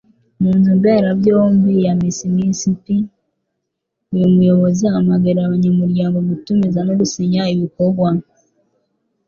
Mu nzu mberabyombi ya Mississippi, uyu muyobozi ahamagarira abanyamuryango gutumiza no gusinya ibikorwa